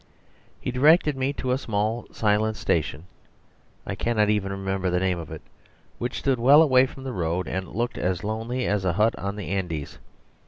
He directed me to a small silent station (I cannot even remember the name of it) which stood well away from the road and looked as lonely as a hut on the Andes.